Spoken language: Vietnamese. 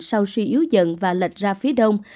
sau suy yếu dần và lệch ra phía đông